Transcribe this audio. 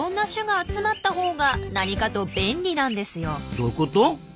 どういうこと？